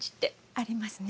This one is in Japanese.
ありますね。